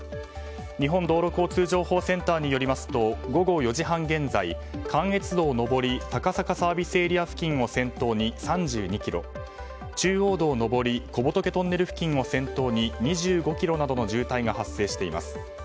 日本道路交通情報センターによりますと、午後４時半現在関越道上り高坂ＳＡ付近を先頭に３２ｋｍ中央道上り小仏トンネル付近を先頭に２５ｋｍなどの渋滞が発生しています。